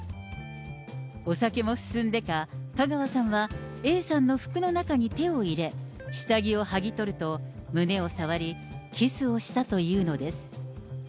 お酒も進んでか、香川さんはＡさんの服の中に手を入れ、下着をはぎ取ると、胸を触り、キスをしたというのです。